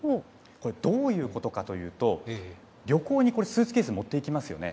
どういうことかというと、旅行にこれ、スーツケース持っていきますよね。